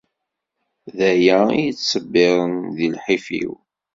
D aya i y-ittṣebbiren di lḥif-iw.